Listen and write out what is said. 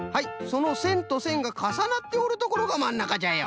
そのせんとせんがかさなっておるところがまんなかじゃよ。